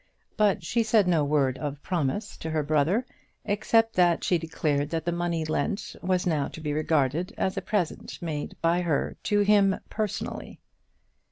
But she said no word of her promise to her brother, except that she declared that the money lent was now to be regarded as a present made by her to him personally.